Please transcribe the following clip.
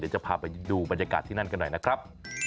จะพาไปดูบรรยากาศที่นั่นกันหน่อยนะครับ